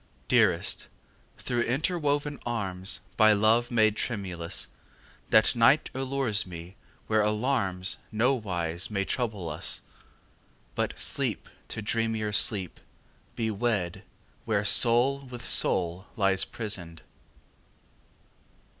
Dearest, through interwoven arms By love made tremulous, That night allures me where alarms Nowise may trouble us; But lseep to dreamier sleep be wed Where soul with soul lies prisoned.